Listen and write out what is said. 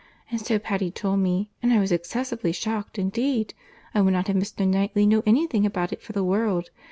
And so Patty told me, and I was excessively shocked indeed! I would not have Mr. Knightley know any thing about it for the world!